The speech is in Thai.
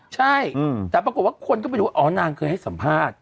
ใช่แต่ปรากฏว่าคนก็ไปดูว่าอ๋อนางเคยให้สัมภาษณ์